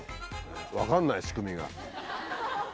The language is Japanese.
分かんない仕組みが。